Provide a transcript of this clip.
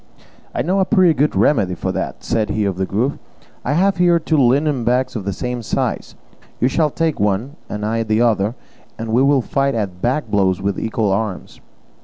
"I know a good remedy for that," said he of the Grove; "I have here two linen bags of the same size; you shall take one, and I the other, and we will fight at bag blows with equal arms."